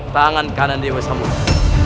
tangan kanan dewi samudera